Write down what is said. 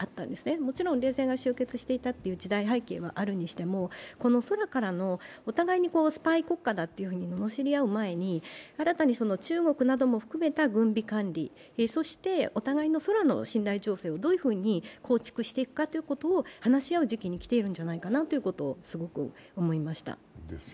もちろん冷戦が終結していたという時代背景があったにしても、空からの、お互いにスパイ国家だとののしり合う前に新たに中国なども含めた軍備管理、そしてお互いの空の信頼醸成をどのように構築していくかってことを話し合う時期にきているんじゃないかなとすごく思いました。